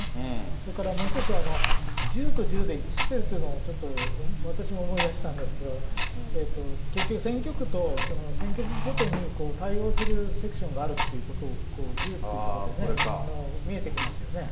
それからもう一つは１０と１０で一致してるっていうのはちょっと私も思い出したんですけど、結局、選挙区と、選挙区ごとに対応するセクションがあるっていうことを、１０っていうところでね、見えてきますよね。